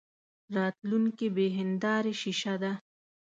راتلونکې بې هیندارې شیشه ده.